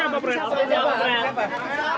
alvin itu siapa preti